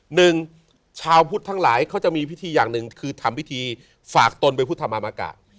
หนึ่งชาวพุทธทั้งหลายเขาจะมีพิธีอย่างหนึ่งคือทำพิธีฝากตนไปพุทธธรรมกะ